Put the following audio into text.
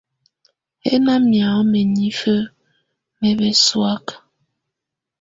Hɛná miáŋɔ́ mǝ́nifǝ́ mɛ bɛ́sɔ̀áka.